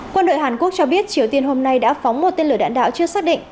quân đội hàn quốc cho biết triều tiên hôm nay đã phóng một tên lửa đạn đạo chưa xác định